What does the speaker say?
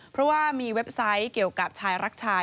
เพราะว่ามีเว็บไซต์เกี่ยวกับชายรักชาย